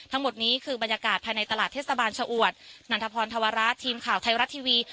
ทั้งหมดนี้คือบรรยากาศภายในตลาดเทศบาลชะอวดนันทพรธวระทีมข่าวไทยรัฐทีวี